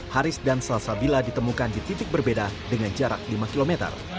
haris dan salsabila ditemukan di titik berbeda dengan jarak lima km